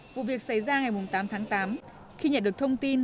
vụ việc xảy ra ngày tám tháng tám khi nhận được thông tin